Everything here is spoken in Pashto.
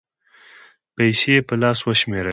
پېسې یې په لاس و شمېرلې